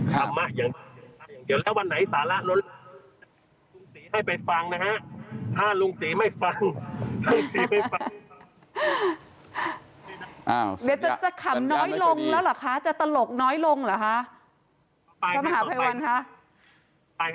จะขำน้อยลงแล้วหรอคะ